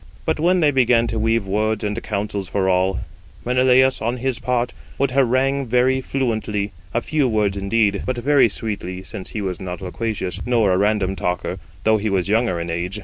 159 But when they began to weave words and counsels for all, Menelaus, on his part, would harangue very fluently; a few [words] indeed, but very sweetly, since he was not loquacious, nor a random talker, though he was younger in age.